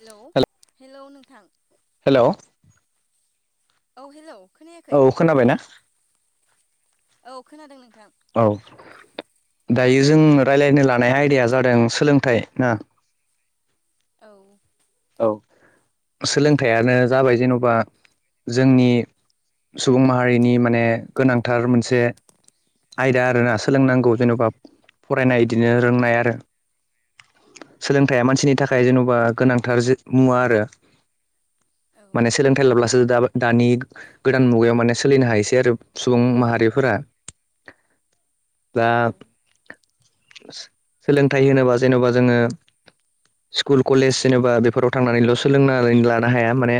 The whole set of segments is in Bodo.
हेलौ हेलौ नोंथां हेल' औ हेल' औ खोनाबाय ना औ खोनादों नोंथां। औ दायो जों रायलायनो लानाय आयदाया जादों सोलोंथाइ ना? औ। सोलोंथाइयानो जाबाय जेन'बा जोंनि सुबुं माहारिनि माने गोनांथार मोनसे आयदा आरोना सोलोंनांगौ जेन'बा फरायनाय बिदिनो रोंनाय आरो सोलोंथाइया मानसिनि थाखाय जेन'बा गोनां थार मुवा आरो औ माने सोलोंथाइ लाब्लासो दा दानि गोदान मुगायाव माने सोलिनो हायोसै आरो सुबुं माहारिफोरा दा औ सोलोंथाइ होनोबा जेन'बा जोङो स्कुल कलेज जेनेबा बेफोराव थांनानैल' सोलोंनानै लानो हाया माने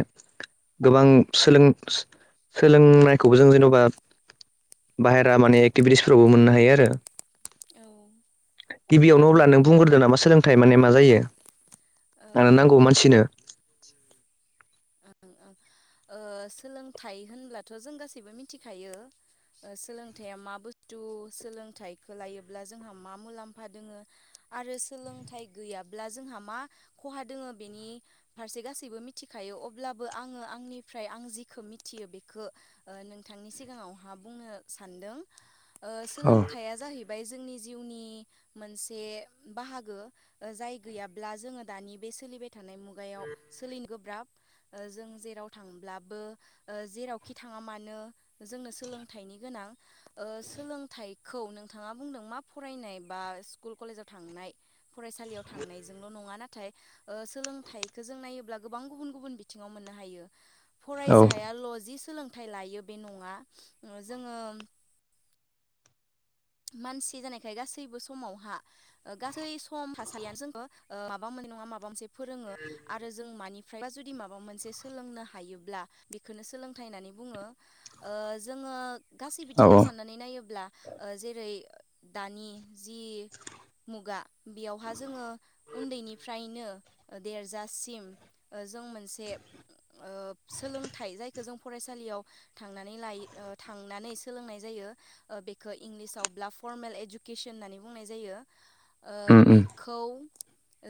गोबां सोलों सोलोंनायखौबो जों जेन'बा बाहेरा माने एक्टिभिटिसफोरावबो मोननो हायो आरो औ ओं गिबियावनो अब्ला नों बुंग्रोदो नामा सोलोंथाइ माने मा जायो। मानो ओं नांगौ मानसिनो ओ सोलोंथाइ होनब्लाथ' जों गासैबो मिथिखायो सोलोंथाइया मा बुस्थु सोलोंथाइखौ लायोब्ला जोंहा मा मुलाम्फा दोङो। आरो सोलोंथाइ गैयाब्ला जोंहा मा खहा दोङो बेनि फारसे गासैबो मिथिखायो। बेयो अब्ला बो आङो आंनिफ्राय आं जिखौ मिथियो बेखौ नोंथांनि सिगाङावहा बुंनो सान दों ओ औ सोलोंथाइया जाहैबाय जोंनि जिउनि मोनसे बाहागो जाय गैयाब्ला जोङो दानि बे सोलिबाय थानाय मुगायाव सोलिनो गोब्राब। जों जेराव थांब्लाबो जेरावखि थाङा मानो जोंनो सोलोंथाइनि गोनां ओ सोलोंथाइखौ नोंथाङा बुंदों मा फरायनाय बा स्कुल कलेजाव थांनाय फरायसालियाव थांनायजोंल' नङा नाथाय ओ सोलोंथाइखो जों नायोब्ला गोबां गुबुन गुबुन बि ङाव मोननो हायो औ फरायसायाल'ज सोंलों थाइ लायो बे नङा जोङो मानसि जानायखाय गासैबो समावहा गासै सम थासारियानो जों ओ माबा मोन नङा माबा मोनसे फोरोङो आरो जों मानिफ्राय जुदि माबा मोनसे सोलोंनो हायोब्ला बेखोनो सोलोंथाइ होननानै बुङो जोङो गासै औ बिथिङाव साननानै नायोब्ला जेरै दानि जि मुगा बेयावहा जोङो उन्दैनिफ्रायनो देरजासिम ओ जों मोनसे ओ सोलोंथाइ जायखौ जों फरायसालियाव थांनानै लायो थांनानै सोलोंनाय जायो। यो बे इंलिसाव ब्लाब फरमेल इडुकेसन होननानै बुंनाय जायो उम उम बेखौ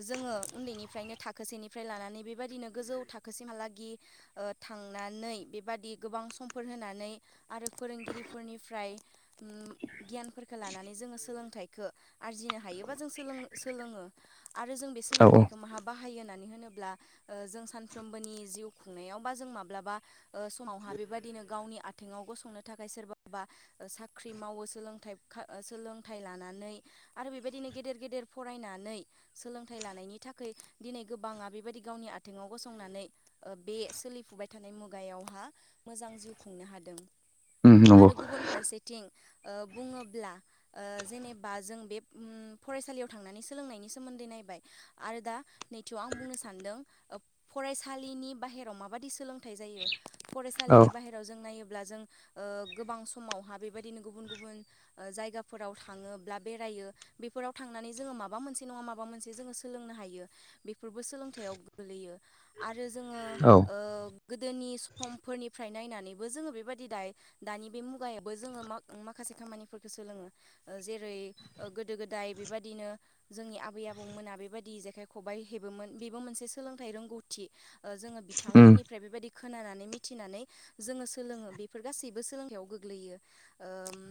जोङो उन्दैनिफ्रायनो थाखोसेनिफ्राय लानानै बेबायदिनो गोजौ थाखोसिमहालागि ओ था नानै बेबादि गोबां समफोर होनानै आरो फोरोंगिरिफोरनिफ्राय उम गियानफोरखौ लानानै जोङो सोलोंथाइखौ आरजिनो हायोबा जों सोलोङो आरो जों बे औ सोलोंथाइखौ माहा बाहायो होननानै होनोब्ला जों सानफ्रबोनि जिउ खुंनायाव बा जों माब्लाबा ओ समावहा बेबायदिनो गावनि आथेंङाव गसंनो थाखाय सोरबाबा सा ख्रि मावो सोलों सोलोंथाइ लानानै आरो बेबायदिनो गेदेर गेदेर फरायनानै सोलोंथाइ लानायनि थाखाय दिनै गोबाङा बेबायदि गावनि आथिङाव गसंनानै बे सो लिफुबाय थानाय मुगायावहा मोजां जिउ खुंनो हादों। उम नंगौ। बिथिं ओ बुङोब्ला जेनेबा जों बे फरायसालियाव थांनानै सोलोंनाय नि सोमोन्दै नायबाय आरो दा नैथियाव आं बुंनो सानदों फरायसालिनि बाहेराव मा माबायदि सोलोंथाइ जायो औ फरायसालिनि बाहेराव जों नायोब्ला जों गोबां समाव हा बेबायदिनो गुबुन गुबुन जायगाफोराव थाङोब्ला बेरायो बेफोराव थांनानै जोङो माबा मोनसे नङा माबा मोनसे जोङो सोलोंनो हायो बेफोरबो सोलोंथाइयाव गोलैयो आरो आरो जोङो औ गोदोनि समफोरनिफ्राय नायनानैबो जोङो बेबायादि दायो दानि बे मुगायाव बो जोङो माखासे खामानिफोरखौ सोलोङो जेरै गोदो गोदाय बेबायदिनो जोंनि आबै आबौमोना बेबायदि जेखाइ खबाइ हेबोमोन बेबो मोनसे सोलोंथाइ रोंगौथि जोङो उम बिथांमोननिफ्राय बेबायदि खोनानानै मिथिनानै जोङो सोलोङो बेफोर गासैबो सोलोंथायाइयाव गोग्लैयो ओम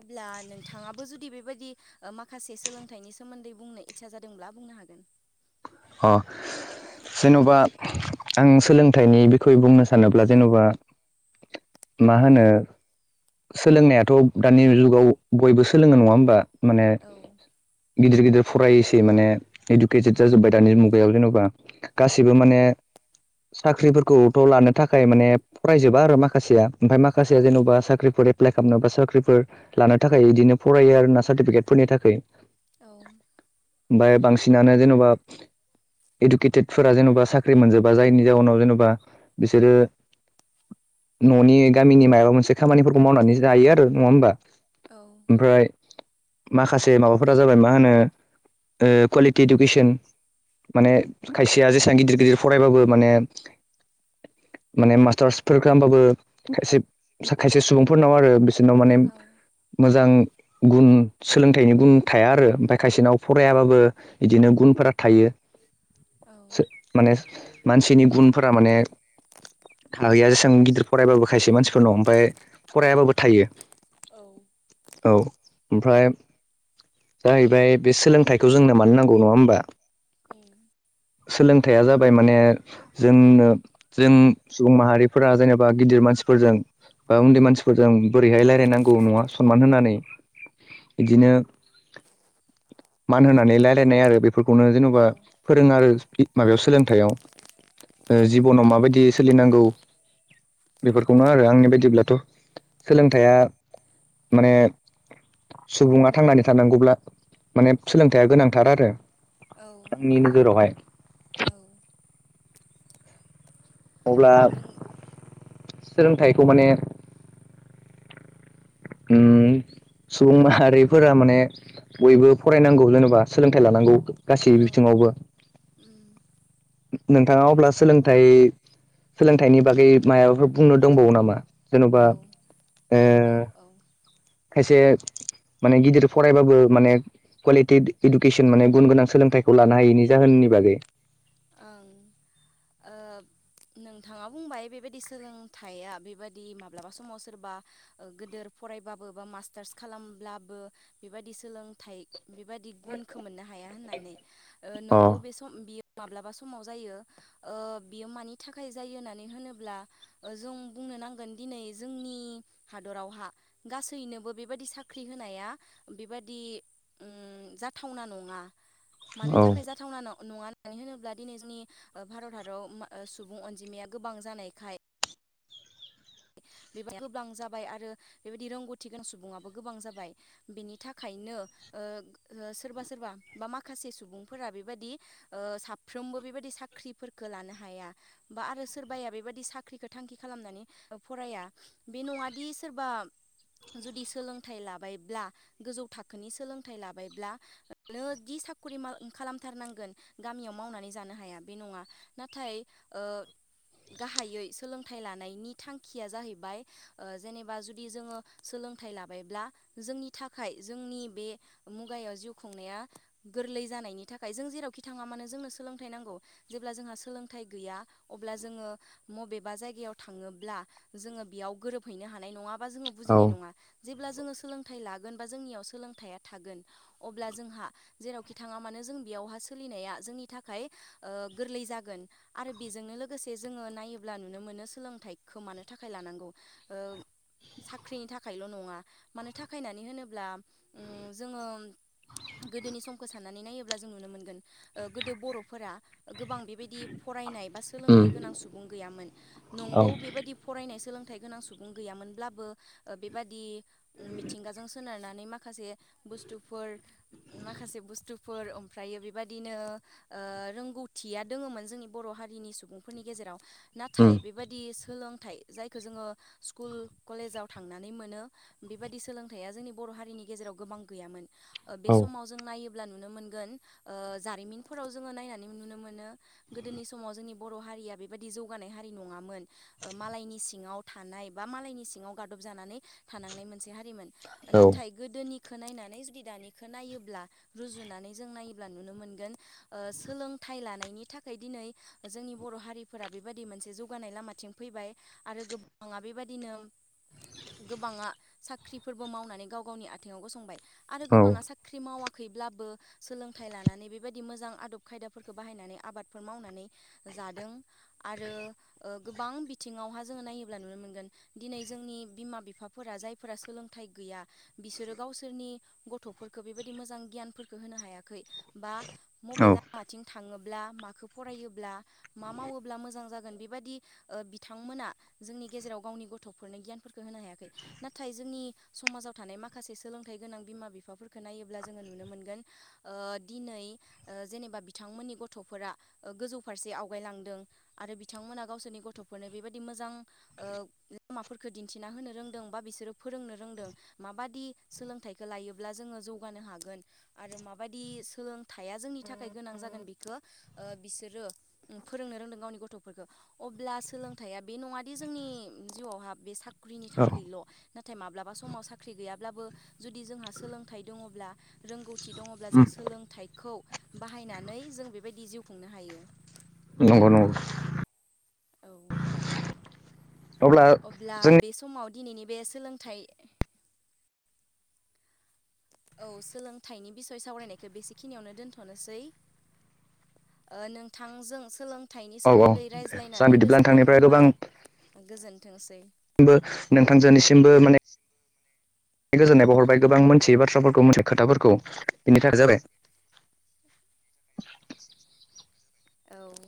अब्ला नोंथाङाबो जुदि बेबायदि ओ माखासे सोलोंथाइनि सोमोन्दै बुंनो इत्सा जादोंब्ला बुंनो हागोन अ। जेन'बा आं सोलोंथाइनि बिखय बुंनो सानोब्ला जेन'बा मा होनो सोलोंनायाथ' दानि जुगाव बयबो सोलोङो नङा होमबा माने औ गिदिर गिदिर फरायसै माने इडुकेटेद जाजोब्बाय दानि मुगायाव जेन'बा गासिबो माने साख्रिफोरखौथ' लानो थाखाय माने फरायजोबा आरो माखासेया ओमफ्राय औ माखासेया जेन'बा साख्रि एप्लाइ खालामनो बा साख्रिफोर लानो थाखाय इदिनो फरायो आरोना सार्टिफिकेटफोरनि थाखाय औ ओमफ्राय बांसिनानो जेन'बा इडुकेटेटफोरा जेन'बा साख्रि मोनजोबा जायनि जाहोनाव जेन'बा बिसोरो न'नि गामिनि माबा मोनसे खामानिफोरखौ मावनानै जायो आरो नङा होमबा? औ ओमफ्राय माखासे माबाफोरा जाबाय मा होनो कुवालिटि इडुकेसन माने खायसेया जेसेबां गिदिर गिदिर फरायबाबो माने माने मास्टारसफोर खालामबाबो खायसे खायसे सुबुंफोरनाव आरो बिसोरनाव माने औ मोजां गुन सोलोंथाइनि गुन थाया आरो ओमफ्राय खायसेनाव फरायाबाबो इदिनो गुनफोरा थायो औ सो माने मानसिनि गुनफोरा माने थाहैया जिसां गिदिर फरायबाबो खायसे मानसि [unintelligible] ओमफ्राय फरायाबाबो थायो औ औ ओमफ्राय जाहैबाय बे सोलोंथाइखौ जोंनो मानो नांगौ नङा होमबा [inaudible] सोलोंथाइया जाबाय माने जोंनो जों सुबुं माहारिफोरा जेनेबा गिदिर मानसिफोरजों बा उन्दै मानसिफोरजों बोरैहाय रायलायनांगौ नङा सनमान होनानै। इदिनो मान होनानै लायरायनाय आरो बेफोर खौनो औ जेन'बा फोरोङो आरो इ माबायाव सोलोंथायाइयाव जिबनाव माबायदि सोलिनांगौ बेफोरखौनो आरो आंनि बायदिब्लाथ' सोलोंथाइया माने सुबुङा थांनानै थानांगौब्ला माने सोलोंथाइया गोनांथार आरो। औ आंनि नोजोरावहाय। [inaudible] अब्ला नों सोलोंथाइखौ माने उम सुबुं माहारिफोरा माने बयबो फरायनांगौ जेन'बा सोलोंथाइ लानांगौ। गासै औ बिथिङावबो उम नोंथाङा अब्ला सोलोंथाइ सोलोंथाइनि बागै मायाबाफोर बुंनो दंबावो नामा? जेन'बा औ ओ औ औ खायसे माने गिदिर फरायबाबो माने कुवालिटि इदु इडुकेसन माने गुन गोनां सोलोंथाइखौ लानो हायैनि जाहोननिबा बागै। ओं ओ नोंथाङा बुंबाय बेबायदि सोलोंथाइया बेबादि माब्लाबा समाव सोरबा गोदोर फरायबाबो बा मास्टार्स खालामब्लाबो बेबायदि सोलोंथाइ बेबादि गुनखौ मोननो हाया होननानै ओ अ नंगौ बे सम बियो माब्लाबा समाव जायो ओ बियो मानि थाखाय जायो होननानै होनोब्ला ओ जों बुं नो नांगोन दिनै जोंनि हादरावहा गासैनोबो बेबायदि साख्रि होनाया बेबादि उम जाथावना नङा मानो औ थाखाय जाथावना न नङा मानो होनोब्ला दिनै जोंनि ओ भारत हादराव सुबुं अनजिमाया गोबां जानायखाय बेबायदि गोबां जाबाय आरो बेबायदि रोंगौथि गोनां सुबुंङाबो गोबां जाबाय बिनि थाखाय नो ओ सोरबा सोरबा बा माखासे सुबुंफोरा बेबायदि ओ साफ्रोमबो बेबायदि साख्रिफोरखो लानो हाया बा आरो सोरबाया बेबादि साख्रिखो थांखि खालामनानै फराया बे नङादि सोरबा जुदि सोलोंथाइ लाबायब्ला गोजौ थाखोनि सोलोंथाइ लाबायब्ला नोङो दि साखुरि खालामथारनांगोन गामियाव मावनानै जानो हाया बे नङा नाथाय ओ गाहायै सोलोंथाइ लानायनि थांखिया जाहैबाय ओ जेनेबा जुदि जोङो सोलोंथाइ लाबायब्ला जोंनि थाखाय जोंनि बे मुगायाव जिउ खुंनाया गोरलै जानायनि थाखाय जों जेरावखि थाङा मानो जोंनो सोलोंथाइ नांगौ जेब्ला जोंहा सोलोंथाइ गैया अब्ला जोङो मबेबा जायगायाव थाङो ब्ला जोङो बेयाव गोरोब हैनो हानाय नङा बा जोंङो औ बुजिनाय नङा। जेब्ला जोंङो सोलोंथाइ लागोन बा जोंनियाव सोलोंथाइया थागोन अब्ला जोंहा जेरावखि थाङा मानो जों बेयावहा सोलिनाया जोंनि थाखाय ओ गोरलै जागोन आरो बेजोंनो लोगोसे जोङो नायो ब्ला नुनो मोनो सोलोंथाइखो मानो थाखाय लानांगौ ओ साख्रिनि थाखायल' नङा मानो थाखाय होननानै ओम होनोब्ला जोङो गोदोनि समखौ साननानै नायोब्ला जों नुनो मोनगोन ओ गोदो बर'फोरा गोबां बेबायदि फरायनाय सोलोंथाय उम गोनां सुबुं गैयोमोन औ नंगौ बे फरायनाय सोलोंथाइ गोनां सुबुं गैयामोनब्लाबो ओ बेबादि मिथिंगाजों सोनारनानै माख खासे बुस्थुफोर माखासे बुस्थुफोर ओमफ्रायो बेबाददिनो ओ रोंगौथिया दोङोमोन जोंनि बर' हारिनि सुबुंफोरनि गेजेराव नाथाय उम बेबादि सोलोंथाइ जायखौ जोङो स्कुल कलेजाव थांनानै मोनो बेबायदि सोलोंथाइया जोंनि ब र' हारिनि गेजेराव गोबां गैयान बे औ समाव जों नायोब्ला नुनो मोनगोन ओ जारिमिनफोराव जोङो नायनानै नुनो मोनो गोदोनि समाव जोंनि बर' हारिया बेबायदि जौगानाय हारि नङामोन। मालायनि सिङाव थानाय बा मालायनि सिङाव गादब जानानै थानांनाय मोनसे हारिमोन। औ नाथाय गोदोनि खो नायनानै जुदि दानिखौ नायोब्ला रुजुनानै जों नायोब्ला नुनो मोनगोन ओ सोलों थाय लानायनि थाखाय दिनै जोंनि बर' हारिफोरा बेबायदि मोनसे जौगानाय लामाथिं फैबाय आरो गोबाङा बेबायदिनो गोबाङा साख्रिफोरबो मावनानै गाव गावनि आथिङाव गसंबाय आरो गोबाङा औ साख्रि मावाखै ब्लाबो सोलोंथाइ लानानै बेबायदि मोजां आदब खायदाफोरखो बाहायनानै आबाद मावनानै जा जादों आरो ओ गोब बां बिथिङावहा जोङो नायोब्ला नुनो मोनगोन दिनै जोंनि बिमा बिफाफोरा जायफोरा सोलोंथाइ गैया बिसोरो गावसोरनि गथ'फोरखौ बेबायदि मोजां गियानफोरखौ होनो हायाखै बा मबे औ लामाथिं थाङोब्ला माखौ फरायोब्ला मा मावोब्ला मोजां जागोन बेबादि ओ बिथांमोना जोंनि गेजेराव गावनि गथ'फोरनो गियानफोरखौ होनो हायाखै नाथाय जोंनि समाजाव थानाय माखासे सोलोंथाइ गोनां बिमा बिफाफोरखौ नायोब्ला जोङो नुनो मोनगोन ओ दिनै ओ जेनेबा बिथांमोननि गथ'फोरा गोजौ फारसे आवगायलांदों आरो बिथांमोना गावसोरनि गथ'फोरनो बेबायदि मोजां ओ लामाफोरखौ दिन्थिना होनो रोंदों बा बिसोरो फोरोंनो रों दों माबादि सोलोंथाइखो लायोब्ला जोङो जौगानो हागोन आरो माबायदि सोलों थाया जोंनि थाखाय गोनां जागोन बिखो बिसोरो फोरोंनो रोंदों गावनि गथ'फोरखो। अब्ला सोलोंथाया बे नङादि जोंनि जिउआवहा बे साख्रिनि औ थाखायल'। नाथाय माब्लाबा समाव साख्रि गैयाब्लाबो जुदि जोंहा सोलोंथाइ दङब्ला रोंगौथि दङब्ला उम जों लोंथाइखौ बाहायनानै जों बेबायदि जिउ खुंनो हायो। नंगौ नंगौ। औ अब्ला जोंनि बे समाव दिनैनि बे सोलोंथाइ औ सोलोंथाइनि बिसय सावरायनायखौ बेसे खिनियावनो दोनथ'नोसै। नोंथांजों सोलोंथाइनि औ औ सोमोन्दै दे सान रायज्लायनानै बिदिब्ला गोजोननाय नोंथांनिफ्राय मोनबाय। गोबांबो गोजोनथोंसै नोंथांजोनिसिमबो माने गोजोननाय बाव हरबाय गोबां मोनथियिबाथ्राफोरखौ खोथाफोरखौ बिनि थाखाय जाबाय। [inaudible] औ